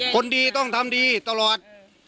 คนดีต้องทำดีตลอด